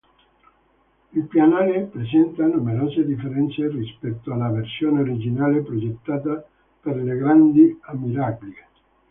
Il pianale presenta numerose differenze rispetto alla versione originale progettata per le grandi ammiraglie.